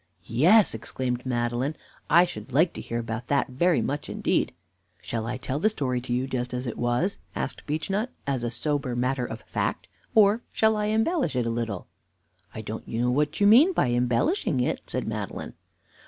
"Yes," exclaimed Madeline, "I should like to hear about that very much indeed." "Shall I tell the story to you just as it was," asked Beechnut, "as a sober matter of fact, or shall I embellish it a little?" "I don't know what you mean by embellishing it," said Madeline.